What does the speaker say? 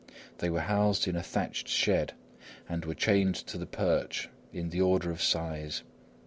They were housed in a thatched shed and were chained to the perch in the order of size.